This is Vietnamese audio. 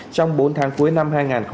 trong bốn tháng cuối năm hai nghìn hai mươi